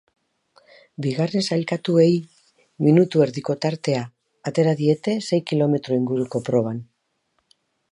Bigarren sailkatuei minutu erdiko tartea atera diete sei kilometro inguko proban.